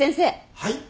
はい？